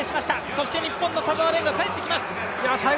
そして日本の田澤廉が帰ってきます。